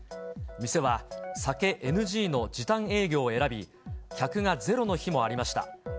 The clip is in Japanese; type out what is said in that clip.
店は酒ＮＧの時短営業を選び、客がゼロの日もありました。